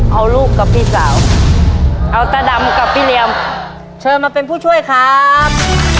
เอาลูกกับพี่สาวเอาตาดำกับพี่เรียมเชิญมาเป็นผู้ช่วยครับ